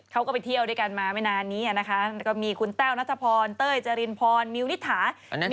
เขาก็ไปเที่ยวด้วยกันมาไม่นานนี้นะคะก็มีคุณแต้วนัทพรเต้ยจรินพรมิวนิษฐา